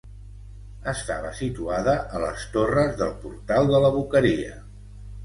Estava situada a les torres del Portal de la Boqueria.